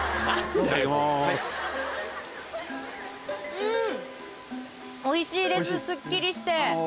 うんおいしいですすっきりして。